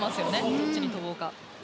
どっちに跳ぼうか。